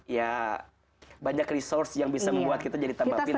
ya banyak resource yang bisa membuat kita jadi tambah pinter